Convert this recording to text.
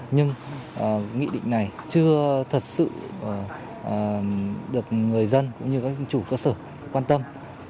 nhưng nghị định này chưa thật sự được người dân cũng như các chủ cơ sở quan tâm